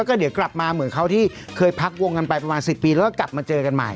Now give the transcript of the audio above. แล้วก็เดี๋ยวกลับมาเหมือนเขาที่เคยพักวงกันไปประมาณ๑๐ปีแล้วก็กลับมาเจอกันใหม่